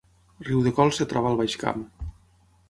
Riudecols es troba al Baix Camp